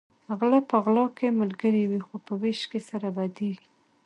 غلۀ په غلا کې ملګري وي خو په وېش کې سره بدیږي